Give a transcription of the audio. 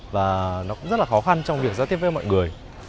và nó cũng rất là khó khăn trong việc giải thích với mọi người